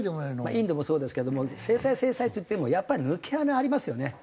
インドもそうですけども制裁制裁っていってもやっぱり抜け穴ありますよね。